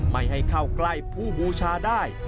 ไม่ให้เข้าใกล้ผู้บูชาได้